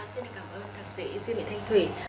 xin cảm ơn thạc sĩ diễn vĩ thanh thủy